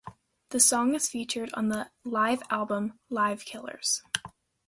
The song is featured on the live album "Live Killers".